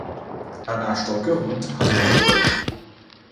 A national government has not worked.